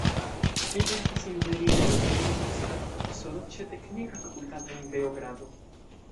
Li estis inĝeniero, kaj universitata profesoro ĉe teknika fakultato en Beogrado.